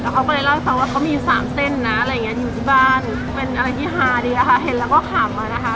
เขาก็เลยเล่าซ้อนว่าเขามี๓เส้นนะอยู่ที่บ้านเป็นอะไรที่ฮาดีนะคะเห็นแล้วก็ขำอ่ะนะคะ